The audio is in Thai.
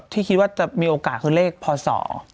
ที่คิดว่าจะมีโอกาสคือเลขพศ